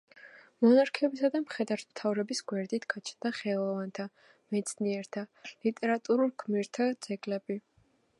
მონარქებისა და მხედართმთავრების გვერდით გაჩნდა ხელოვანთა, მეცნიერთა, ლიტერატურულ გმირთა ძეგლები.